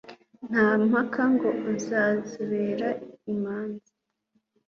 Nta mpaka ngo uzazibera imanzi.